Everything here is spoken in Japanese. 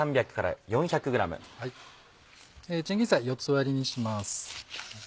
チンゲンサイ４つ割りにします。